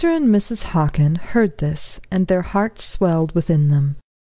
and Mrs. Hockin heard this, and their hearts swelled within them.